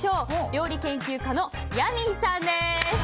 料理研究家のヤミーさんです。